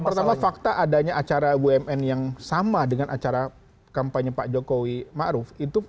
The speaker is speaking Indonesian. pertama fakta adanya acara wmn yang sama dengan acara kampanye pak jokowi ma'ruf itu